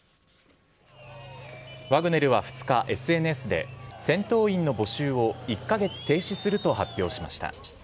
ワグネルは２日、ＳＮＳで、戦闘員の募集を１か月停止すると発表しました。